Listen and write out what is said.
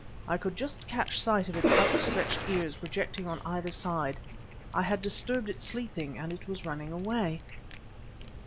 I could just catch sight of its outstretched ears projecting on either side. I had disturbed it sleeping, and it was running away.